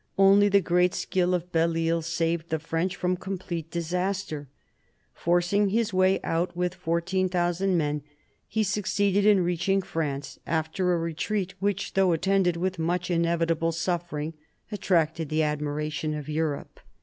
Only the great skill of Belleisle saved the French from complete disaster. Forcing his way out with 14,000 men, he succeeded in reaching France, after a retreat which, though attended with much inevitable suffering, attracted the admiration of Europe.